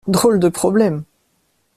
Drôle de problème!